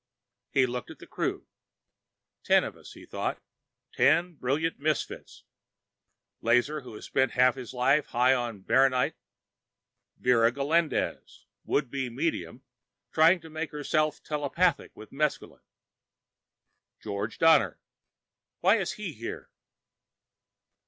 He looked at the crew. Ten of us, he thought, ten brilliant misfits. Lazar, who has spent half his life high on baronite; Vera Galindez, would be medium, trying to make herself telepathic with mescaline; Jorge Donner.... Why is he here?